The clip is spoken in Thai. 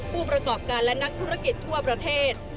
ผู้ประกอบการและนักธุรกิจทั่วประเทศ